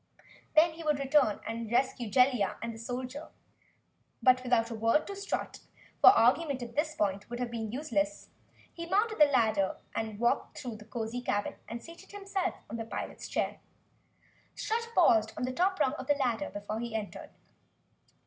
Then he would return and rescue Jellia and the soldier. But, without a word to Strut, for argument at this point would have been useless, he mounted the ladder, walked through the cozy cabin and seated himself in the pilot's chair. Strut paused on the top rung of the ladder before he entered.